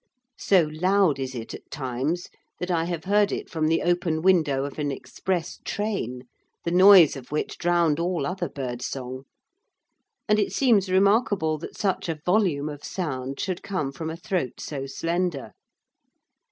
So loud is it at times that I have heard it from the open window of an express train, the noise of which drowned all other birdsong, and it seems remarkable that such a volume of sound should come from a throat so slender.